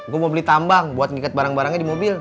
gue mau beli tambang buat ngikat barang barangnya di mobil